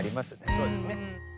そうですね。